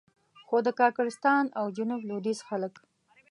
خو د کاکړستان او جنوب لوېدیځ خلک.